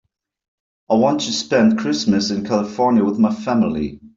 I want to spend Christmas in California with my family.